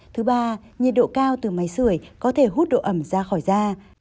thứ ba nhiệt độ cao từ máy sửa có thể hút độ ẩm ra khỏi da